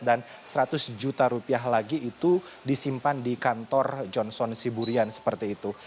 dan seratus juta rupiah lagi itu disimpan di kantor johnson siburian seperti itu